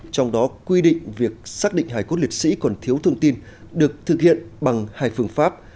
trong đó quy định việc xác định hải cốt liệt sĩ còn thiếu thông tin được thực hiện bằng hai phương pháp